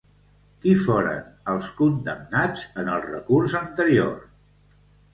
Qui foren els condemnats en el recurs anterior?